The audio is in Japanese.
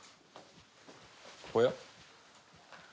おや？